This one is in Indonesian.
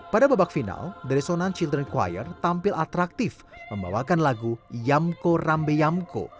pada babak final the resonan children choir tampil atraktif membawakan lagu yamko rambe yamko